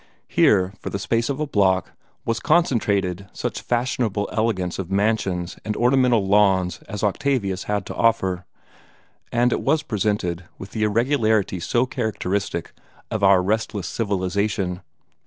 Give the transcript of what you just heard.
Here, for the space of a block, was concentrated such fashionable elegance of mansions and ornamental lawns as Octavius had to offer; and it was presented with the irregularity so characteristic of our restless civilization.